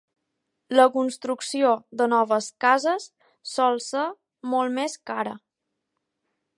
La construcció de noves cases sol ser molt més cara.